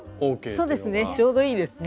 そうですねちょうどいいですね。